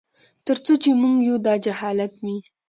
تر څو چي موږ یو داجهالت وي